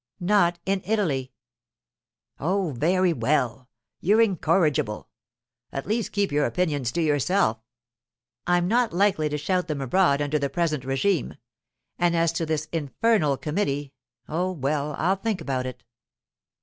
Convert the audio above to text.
'Not in Italy.' 'Oh, very well. You're incorrigible. At least keep your opinions to yourself.' 'I'm not likely to shout them abroad under the present régime. And as to this infernal committee—oh, well, I'll think about it.